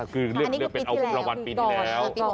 คือเลือกเป็นเอาประวัติปีนี้แล้ว